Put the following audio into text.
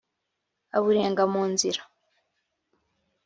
aburenga mu nzira